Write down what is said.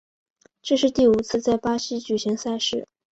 这是第五次在巴西举行赛事。